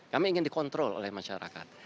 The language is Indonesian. kami ingin dikontrol oleh masyarakat